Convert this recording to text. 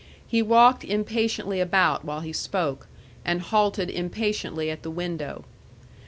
He walked impatiently about while he spoke, and halted impatiently at the window.